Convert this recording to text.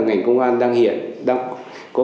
ngành công an đang hiện đang có